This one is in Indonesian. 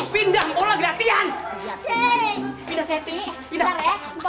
pindah pindah pindah